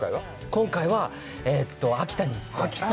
今回は秋田に行って。